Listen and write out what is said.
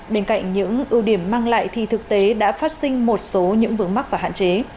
bên cạnh những ưu điểm mang lại thì thực tế đã phát sinh một số những vướng mắc và hạn chế